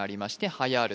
はやる